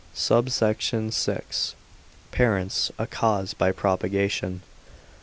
SUBSECT. VI.—Parents a cause by Propagation.